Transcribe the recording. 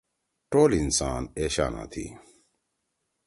ٹول انسان اے شانہ تھی۔